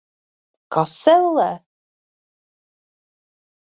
Kas, ellē?